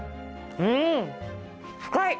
うん深い！